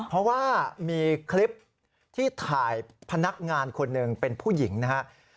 เพราะว่ามีคลิปที่ถ่ายพนักงานคนหนึ่งเป็นผู้หญิงนะครับ